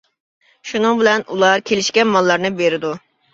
شۇنىڭ بىلەن ئۇلار كېلىشكەن ماللارنى بېرىدۇ.